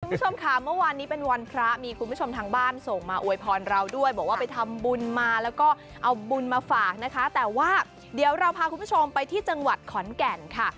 คุณผู้ชมค่ะเมื่อวานนี้เป็นวันพระมีคุณผู้ชมทางบ้านส่งมาอวยพรเราด้วยบอกว่าไปทำบุญมาแล้วก็เอาบุญมาฝากนะคะแต่ว่าเดี๋ยวเราพาคุณผู้ชมไปที่จังหวัดขอนแก่นค่ะ